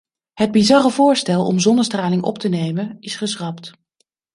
Het bizarre voorstel om zonnestraling op te nemen, is geschrapt.